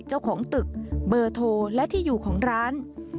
เจ้าของตึกเบอร์โทรและที่อยู่ของร้าน